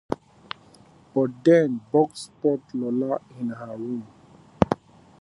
But then Bugs spots Lola in her room.